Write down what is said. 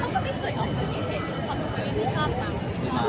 ไม่เหลือไม่เหลือขอบคุณ